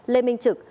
lê minh trực